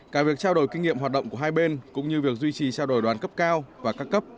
cả việc trao đổi kinh nghiệm hoạt động của hai bên cũng như việc duy trì trao đổi đoàn cấp cao và các cấp